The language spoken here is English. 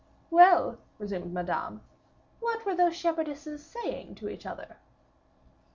"Well," resumed Madame, "what were those shepherdesses saying to each other?"